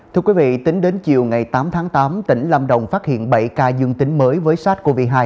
thưa quý vị tính đến chiều ngày tám tháng tám tỉnh lâm đồng phát hiện bảy ca dương tính mới với sars cov hai